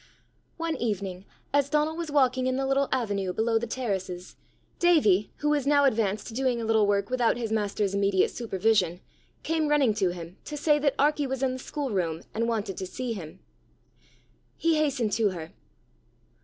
One evening, as Donal was walking in the little avenue below the terraces, Davie, who was now advanced to doing a little work without his master's immediate supervision, came running to him to say that Arkie was in the schoolroom and wanted to see him. He hastened to her.